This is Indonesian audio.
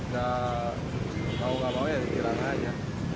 tidak tahu apa apa ya tilangnya